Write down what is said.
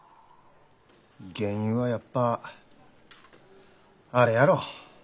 原因はやっぱあれやろ。